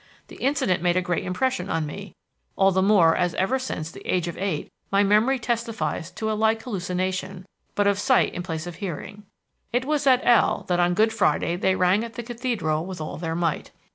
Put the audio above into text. The incident made a great impression on me, all the more as ever since the age of eight my memory testifies to a like hallucination, but of sight in place of hearing. It was at L...... that on Good Friday they rang at the cathedral with all their might.